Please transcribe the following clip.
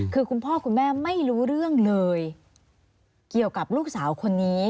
คือคุณพ่อคุณแม่ไม่รู้เรื่องเลยเกี่ยวกับลูกสาวคนนี้